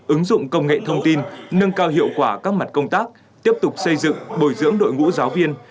ứng dụng công nghệ thông tin nâng cao hiệu quả các mặt công tác tiếp tục xây dựng bồi dưỡng đội ngũ giáo viên